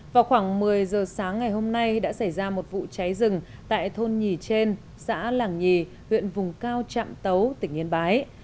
vào khoảng một mươi giờ sáng ngày hôm nay đã xảy ra một vụ cháy rừng tại thôn nhì trên xã làng nhì huyện vùng cao trạm tấu tỉnh yên bái